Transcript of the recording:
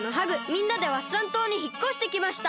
みんなでワッサン島にひっこしてきました！